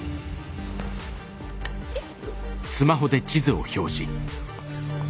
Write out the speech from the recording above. えっ？